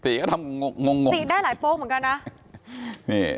ตี๋ถึงทำงงตได้หลายโป๊กเหมือนกัน